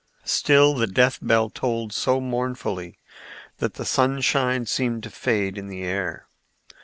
Still the death bell tolled so mournfully that the sunshine seemed to fade in the air.